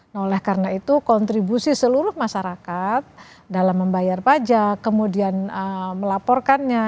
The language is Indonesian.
nah oleh karena itu kontribusi seluruh masyarakat dalam membayar pajak kemudian melaporkannya